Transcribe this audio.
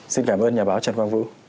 xin cảm ơn nhà báo trần quang vũ